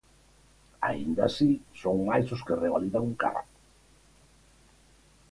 Aínda así, son máis os que revalidan o cargo.